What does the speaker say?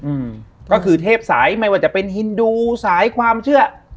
อืมก็คือเทพสายไม่ว่าจะเป็นฮินดูสายความเชื่อ